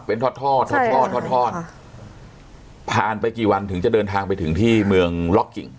เป็นทอดทอดทอดทอดทอดผ่านไปกี่วันถึงจะเดินทางไปถึงที่เมืองล็อกกิ่ง